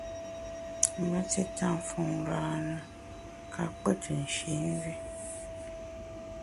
Me tita mfôn râne ka pkù tù nshî mvi.